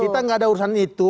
kita nggak ada urusan itu